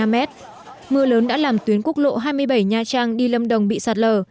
mưa lớn đã làm tuyến quốc lộ hai mươi bảy nha trang đi lâm đồng bị sạt lở